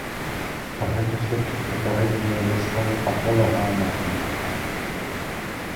Пра гэта сведчаць папярэднія высновы патолагаанатамаў.